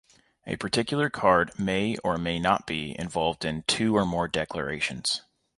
A particular card may or may not be involved in two or more declarations.